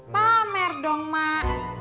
pamer dong mak